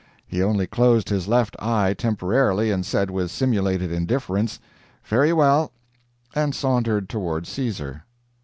he only closed his left eye temporarily and said with simulated indifference, "Fare you well," and sauntered toward Caesar.